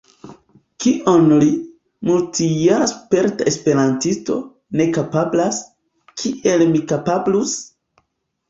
Kion li, multjara sperta esperantisto, ne kapablas, kiel mi kapablus?